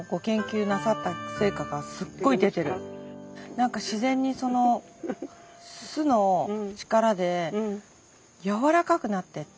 何か自然にその酢の力でやわらかくなってって。